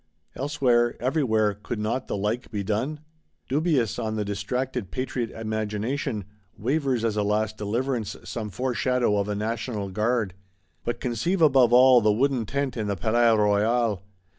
Elsewhere, everywhere, could not the like be done? Dubious, on the distracted Patriot imagination, wavers, as a last deliverance, some foreshadow of a National Guard. But conceive, above all, the Wooden Tent in the Palais Royal!